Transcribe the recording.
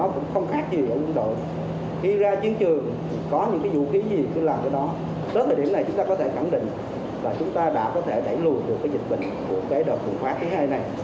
tới thời điểm này chúng ta có thể khẳng định là chúng ta đã có thể đẩy lùi được dịch bệnh của đợt bùng phát thứ hai này